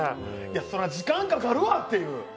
そりゃ時間かかるわっていう。